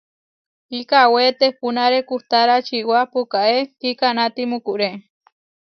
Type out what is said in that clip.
Kikawé tehpúnare kuhtára čiwá pukaé kikanáti mukuré.